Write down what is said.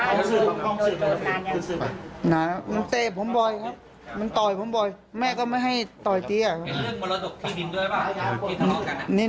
ดูหน้าผมดิหงว้าผมดิแค้นผมดวยนี่